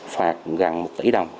phạt gần một tỷ đồng